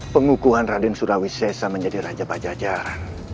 pengukuhan raden surawi sesa menjadi raja bajajaran